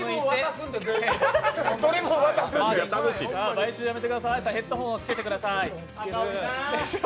買収やめてくださいヘッドホン着けてください。